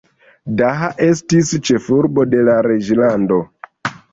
Daha estis ĉefurbo de la reĝlando.